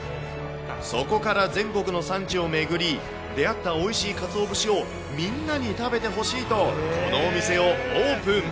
そこから全国の産地を巡り、出会ったおいしいかつお節をみんなに食べてほしいと、このお店をオープン。